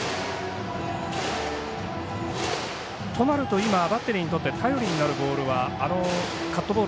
今、バッテリーにとって頼りになるボールはカットボール